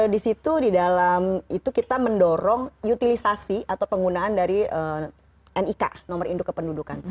di situ di dalam itu kita mendorong utilisasi atau penggunaan dari nik nomor induk kependudukan